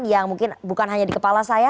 yang mungkin bukan hanya di kepala saya